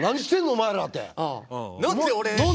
お前ら」って。